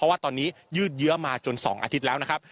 ว่าตอนนี้ยืดเยื้อมาจน๒อาทิตย์แล้วนะครับ